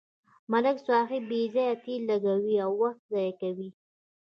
ملک صاحب بې ځایه تېل لګوي او وخت ضایع کوي.